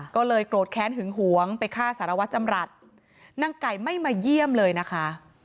ก็เลยโกรธแค้นหึงหวงไปฆ่าสารวัตรจำรัฐนางไก่ไม่มาเยี่ยมเลยนะคะ